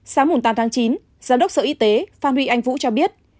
sáng tám tháng chín giám đốc sở y tế phan huy anh vũ cho biết